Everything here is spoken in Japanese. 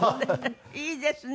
いいですね！